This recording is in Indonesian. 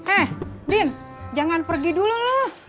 eh din jangan pergi dulu loh